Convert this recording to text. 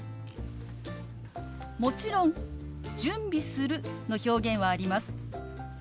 もちろん「準備する」の表現はあります。